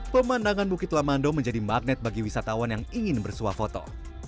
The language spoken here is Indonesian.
pemandangan bukit lamando menjadi magnet bagi wisatawan yang ingin bersuah foto